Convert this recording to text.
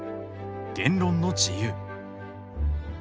「言論の自由」。